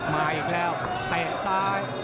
มาอีกแล้วเตะซ้าย